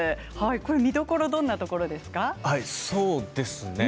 見どころはどんなところですか。